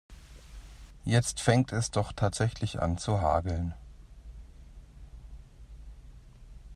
Jetzt fängt es doch tatsächlich an zu hageln.